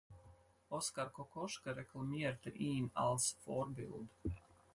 Oskar Kokoschka reklamierte ihn als Vorbild.